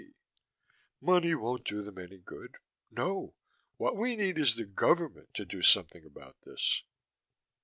G.: Money won't do them any good. No. What we need is the government, to do something about this.